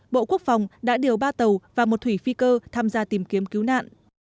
bộ quốc phòng đã điều ba tàu và một thủy phi cơ tham gia tìm kiếm cứu nạn